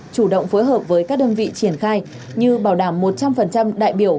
chủ động phối hợp với các đơn vị triển khai như bảo đảm một trăm linh đại biểu